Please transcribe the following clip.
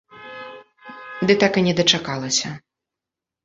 Ды так і не дачакалася.